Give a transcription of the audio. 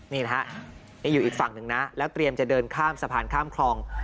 นี่นะฮะนี่อยู่อีกฝั่งหนึ่งนะแล้วเตรียมจะเดินข้ามสะพานข้ามคลอง